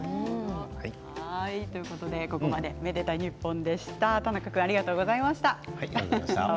ここまで「愛でたいｎｉｐｐｏｎ」でした。